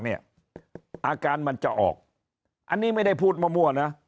อาการมันจะออกอันนี้ไม่ได้พูดมั่วนะ